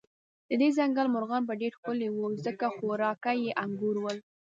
د دې ځنګل مرغان به ډېر ښکلي و، ځکه خوراکه یې انګور ول.